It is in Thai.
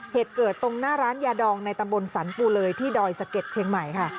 เหตุเกิดตรงหน้าร้านยาดองในตำบลสรรปูเลยที่ดอยสะเก็ดเชียงใหม่ค่ะ